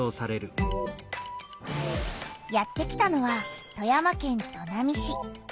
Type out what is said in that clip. やって来たのは富山県砺波市。